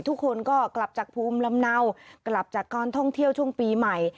ทุกคนก็กลับจากภูมิลำเนากลับจากการท่องเที่ยวช่วงปีใหม่